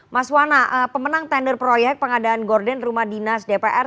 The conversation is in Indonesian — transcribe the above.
mas wana pemenang tender proyek pengadaan gorden rumah dinas dpr